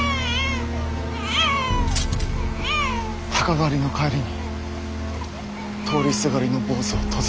鷹狩りの帰りに通りすがりの坊主を突然。